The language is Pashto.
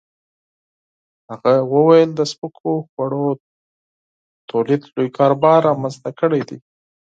هغه وویل د سپکو خوړو تولید لوی کاروبار رامنځته کړی دی.